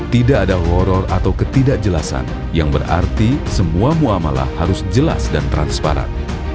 tidak ada horror atau ketidakjelasan yang berarti semua muamalah harus jelas dan transparan